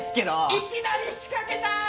いきなり仕掛けた！